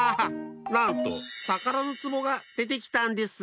なんとたからのつぼがでてきたんです！